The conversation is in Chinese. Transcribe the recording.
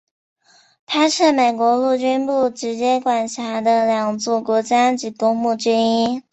它是美国陆军部直接管辖的两座国家级公墓之一。